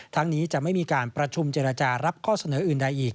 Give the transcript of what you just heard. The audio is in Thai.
นี้จะไม่มีการประชุมเจรจารับข้อเสนออื่นใดอีก